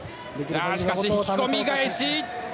しかし引き込み返し！